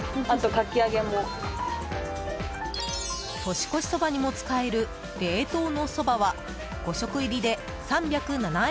年越しそばにも使える冷凍のそばは５食入りで３０７円。